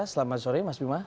selamat sore mas bima